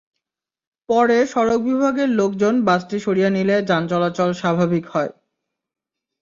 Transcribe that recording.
পরে সড়ক বিভাগের লোকজন বাসটি সরিয়ে নিলে যান চলাচল স্বাভাবিক হয়।